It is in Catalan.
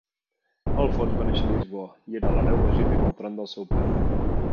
Alfons va néixer a Lisboa i era l'hereu legítim al tron del seu pare.